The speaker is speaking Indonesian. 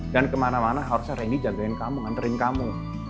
dan kemana mana harusnya randy jagain kamu nganterin kamu